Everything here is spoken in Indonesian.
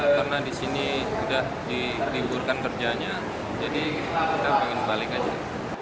karena disini sudah diliburkan kerjanya jadi kita ingin balik aja